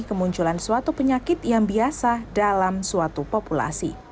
kemunculan suatu penyakit yang biasa dalam suatu populasi